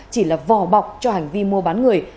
chỉ là vỏ bọc cho hành vi mua bán người